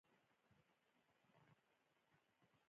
او تروې اوبۀ خلې له راځي